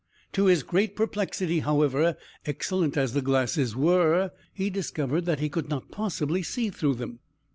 To his great perplexity, however, excellent as the glasses were, he discovered that he could not possibly see through them.